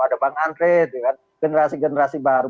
ada bang andre generasi generasi baru